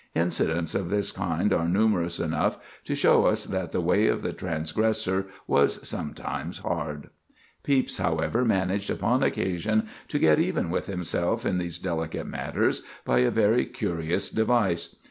Incidents of this kind are numerous enough to show us that the way of the transgressor was sometimes hard. Pepys, however, managed upon occasion to get even with himself in these delicate matters by a very curious device.